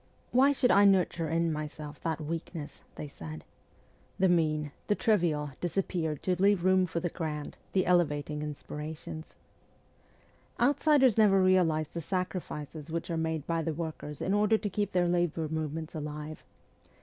' Why should I nurture in myself that weakness ?' they said. The mean, the trivial disappeared to leave room for the grand, the elevating inspirations. Outsiders never realize the sacrifices which are made by the workers in order to keep their labour movements alive.